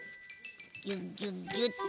ギュギュギュッと。